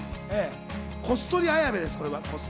こっそり綾部です。